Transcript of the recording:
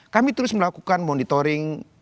kami terus melakukan monitoring